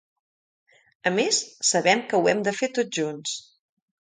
A més, sabem que ho hem de fer tots junts.